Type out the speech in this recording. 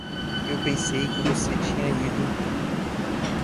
Eu pensei que você tinha ido.